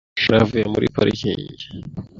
rukara yavuye muri parikingi .